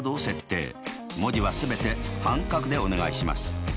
文字は全て半角でお願いします。